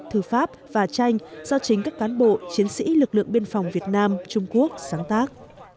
thư pháp và tranh do chính các cán bộ chiến sĩ lực lượng biên phòng việt nam trung quốc sáng tác